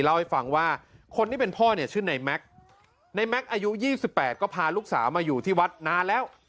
เล่าให้ฟังว่าคนที่เป็นพ่อเนี่ยชื่อในแม็กซ์ในแม็กซ์อายุ๒๘ก็พาลูกสาวมาอยู่ที่วัดนานแล้ว